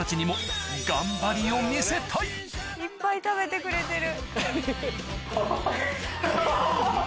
いっぱい食べてくれてる。